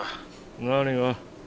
何が？